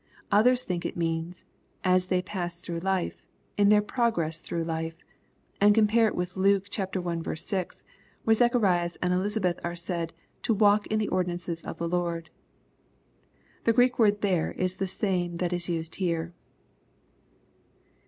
Others think it means, " as they pass through life, — ^in their progress through life," and compare it with Luke L 6, where Zacharias and Elisabeth are said, " to walk in the ordinances of the Lord." The Greek word there is the same that is used here.